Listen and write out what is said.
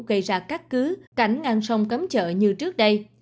gây ra các cứ cảnh ngang sông cấm chợ như trước đây